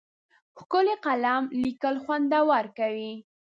ښکلی قلم لیکل خوندور کوي.